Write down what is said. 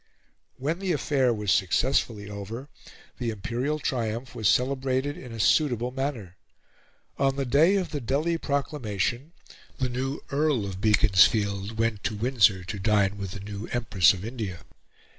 When the affair was successfully over, the imperial triumph was celebrated in a suitable manner. On the day of the Delhi Proclamation, the new Earl of Beaconsfield went to Windsor to dine with the new Empress of India.